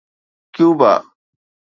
Cuba